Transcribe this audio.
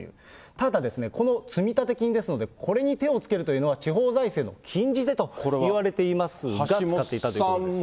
ただですね、この積立金ですので、これに手をつけるというのは、地方財政の禁じ手といわれていますが、使っていたということです。